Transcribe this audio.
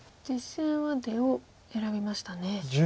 実戦は出を選びましたね。